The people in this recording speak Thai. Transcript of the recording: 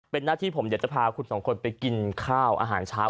เป็นหน้าที่ผมเดี๋ยวจะพาคุณสองคนไปกินข้าวอาหารเช้า